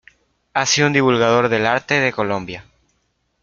Ha sido un divulgador del arte de Colombia.